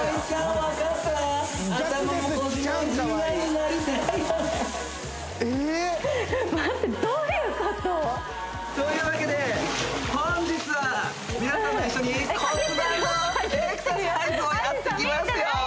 待ってどういうこと？というわけで本日は皆さんと一緒にをやっていきますよ！